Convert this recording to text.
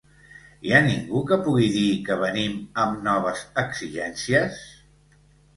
Hi ha ningú que pugui dir que venim amb noves exigències?